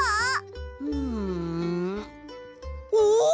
うんおおっ！